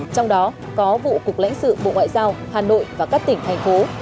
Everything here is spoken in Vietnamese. trong đó có vụ cục lãnh sự bộ ngoại giao hà nội và các tỉnh thành phố